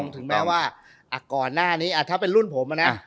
ถึงแม้ว่าก่อนหน้านี้ถ้าเป็นรุ่นผมนะ